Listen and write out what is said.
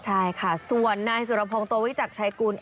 ใช่ค่ะส่วนนายสุรพงศ์โตวิจักรชัยกุล